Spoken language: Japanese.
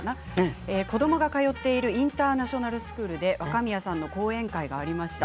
子どもが通っているインターナショナルスクールで若宮さんの講演会がありました。